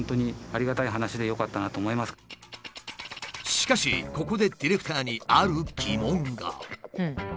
しかしここでディレクターにある疑問が。